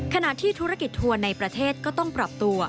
ขณะที่ธุรกิจทัวร์ในประเทศก็ต้องปรับตัว